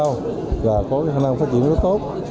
nông nghiệp hữu cơ có khả năng phát triển rất tốt